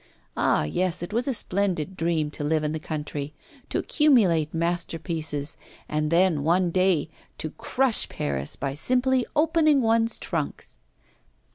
Ah! yes, it was a splendid dream to live in the country, to accumulate masterpieces, and then, one day, to crush Paris by simply opening one's trunks.